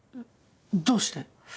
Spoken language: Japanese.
どうして？